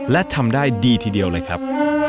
และทำได้ดีทีเดียวเลยครับ